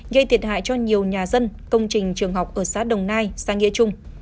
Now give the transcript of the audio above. gây thiệt hại cho nhiều nhà dân công trình trường học ở xã đồng nai xã nghĩa trung